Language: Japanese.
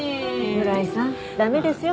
村井さん駄目ですよ